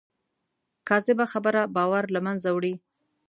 کاذبه خبره باور له منځه وړي